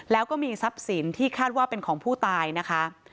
แล้วก็มีทรัพย์สินที่คาดว่าเป็นของผู้ตายนะคะ